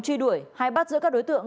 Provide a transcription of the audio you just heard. truy đuổi hay bắt giữa các đối tượng